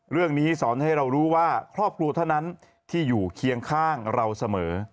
เรื่องนี้สอนให้เรารู้ว่าครอบครัวเท่านั้นที่อยู่เคียงข้างเราเสมอ